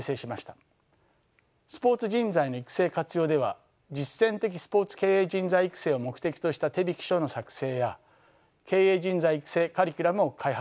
スポーツ人材の育成・活用では実践的スポーツ経営人材育成を目的とした手引き書の作成や経営人材育成カリキュラムを開発しました。